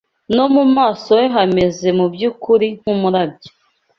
no mu maso he hameze mu by’ukuri nk’umurabyo